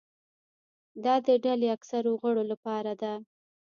دا د ډلې اکثرو غړو لپاره ده.